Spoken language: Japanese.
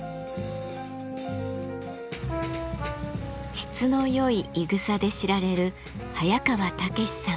質のよいいぐさで知られる早川猛さん。